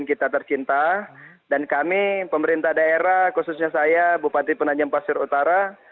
dan kita tercinta dan kami pemerintah daerah khususnya saya bupati penajam pasir utara